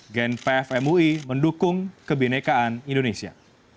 gen pf mui mendukung kebenekaan indonesia